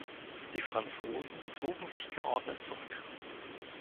Die Franzosen zogen sich geordnet zurück.